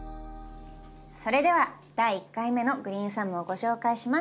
それでは第１回目のグリーンサムをご紹介します。